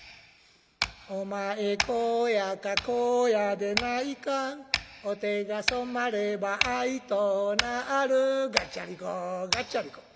「おまえこうやかこうやでないか」「おてがそまればあいとうなる」ガッチャリコガッチャリコ。